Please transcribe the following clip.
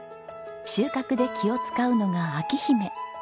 収穫で気を使うのが章姫。